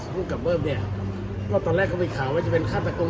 สารวัตรคุกกับเบิ้มเนี้ยก็ตอนแรกเขาไปข่าวว่าจะเป็นฆ่าตกรง